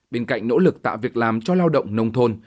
bên cạnh nỗ lực tạo việc làm cho lao động nông thôn